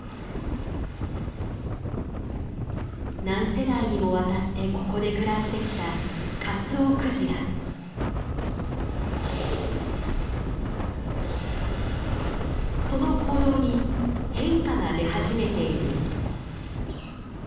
何世代にもわたってここで暮らしてきたその行動に変化が出始めている。